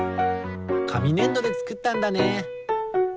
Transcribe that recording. かみねんどでつくったんだね。